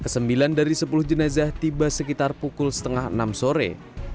ke sembilan dari sepuluh jenazah tiba sekitar pukul setengah enam sore